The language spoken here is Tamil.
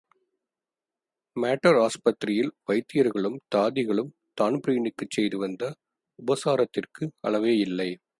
மேட்டர் ஆஸ்பத்திரியில் வைத்தியர்களும் தாதிகளும் தான்பிரீனுக்குச் செய்துவந்த உபசாரத்திற்கு அளவேயில்லை.